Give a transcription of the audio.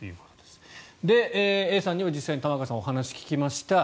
Ａさんには実際に玉川さんがお話を聞きました。